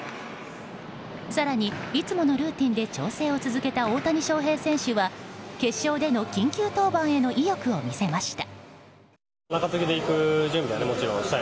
更に、いつものルーティンで調整を続けた大谷翔平選手は決勝での緊急登板への意欲を見せました。